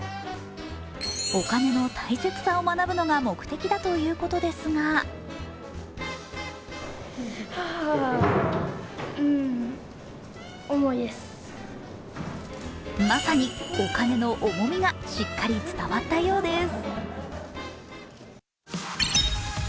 お金の大切さを学ぶのが目的だといいますがまさに、お金の重みがしっかり伝わったようです。